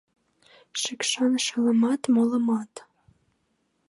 Шикшан шылымат, молымат!